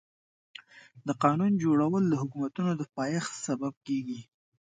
د قانون جوړول د حکومتونو د پايښت سبب کيږي.